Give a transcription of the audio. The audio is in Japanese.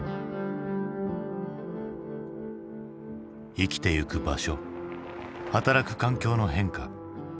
生きてゆく場所働く環境の変化。